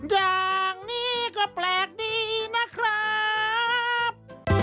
อย่างนี้ก็แปลกดีนะครับ